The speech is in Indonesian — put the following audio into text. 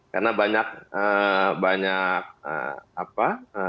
karena banyak banyak apa